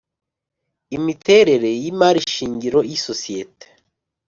imiterere y’imari shingiro y’isosiyete;